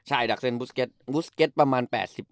ใช่ดักเซ็นบุสเก็ตบูสเก็ตประมาณ๘๐